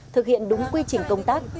thực hiện đúng quy trình công tác